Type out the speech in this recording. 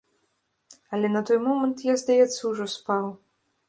Але на той момант я, здаецца, ужо спаў.